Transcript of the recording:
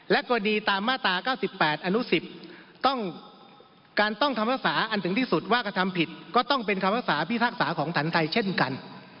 กรณีตามมาตรา๙๘อนุ๑๐ต้องการต้องคำภาษาอันถึงที่สุดว่ากระทำผิดก็ต้องเป็นคำภาษาพิพากษาของฐานไทยเช่นกัน